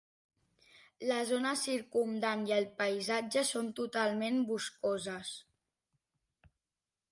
La zona circumdant i el paisatge són totalment boscoses.